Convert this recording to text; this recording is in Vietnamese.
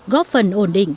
góp phần ổn định